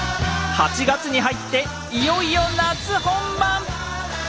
８月に入っていよいよ夏本番！